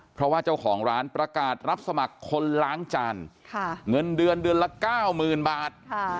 เพราะว่าเจ้าของร้านประกาศรับสมัครคนล้างจานเงินเดือนเดือนละ๙๐๐๐บาท